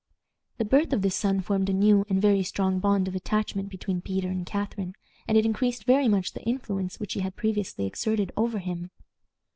The birth of this son formed a new and very strong bond of attachment between Peter and Catharine, and it increased very much the influence which she had previously exerted over him.